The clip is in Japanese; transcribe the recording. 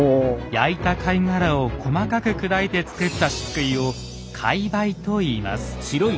焼いた貝殻を細かく砕いて作ったしっくいを「貝灰」と言います。